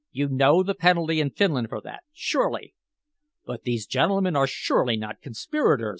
You know the penalty in Finland for that, surely?" "But these gentlemen are surely not conspirators!"